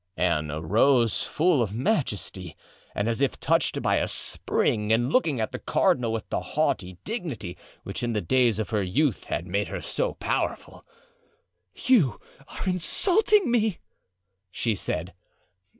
Anne arose, full of majesty, and as if touched by a spring, and looking at the cardinal with the haughty dignity which in the days of her youth had made her so powerful: "You are insulting me!" she said.